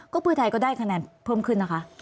เพื่อไทยก็ได้คะแนนเพิ่มขึ้นนะคะ